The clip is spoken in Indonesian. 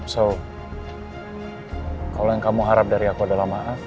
so kalau yang kamu harap dari aku adalah maaf